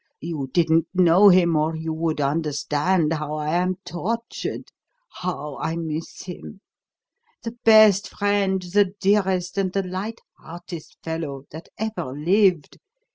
You didn't know him or you would understand how I am tortured how I miss him. The best friend, the dearest and the lightest hearted fellow that ever lived.